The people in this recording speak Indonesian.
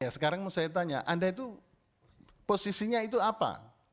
sekarang mau saya tanya anda itu posisinya itu apa